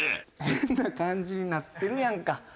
変な感じになってるやんか。